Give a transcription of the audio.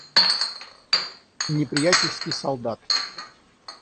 Неприятельский солдат.